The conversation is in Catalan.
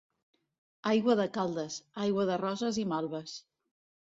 Aigua de Caldes, aigua de roses i malves.